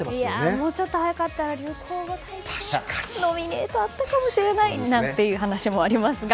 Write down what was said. もうちょっと早かったら流行語大賞ノミネートもあったかもしれないなんていう話もありますが。